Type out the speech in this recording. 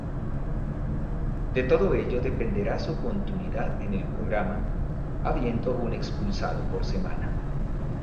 De todo ello dependerá su continuidad en el programa, habiendo un expulsado por semana.